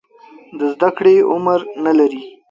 د زده کړې عمر نه لري.